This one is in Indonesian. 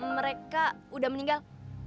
mereka sudah meninggal